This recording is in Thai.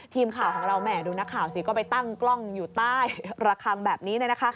ทีมข่าวของเราแห่ดูนักข่าวสิก็ไปตั้งกล้องอยู่ใต้ระคังแบบนี้